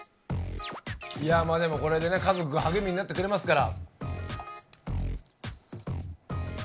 でもこれで家族が励みになってくれますから。